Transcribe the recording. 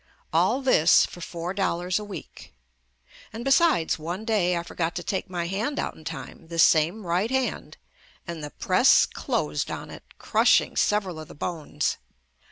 All this for four dollars a week. And besides one day I forgot to take my hand out in time, the same right hand, and the press closed on it, crushing several of the bones.